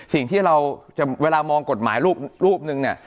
สิ่งที่เราจะเวลามองกฎหมายรูปนึงเนี่ย